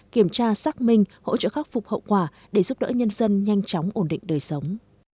kiểm tra xác minh hỗ trợ khắc phục hậu quả để giúp đỡ nhân dân nhanh chóng ổn định đời sống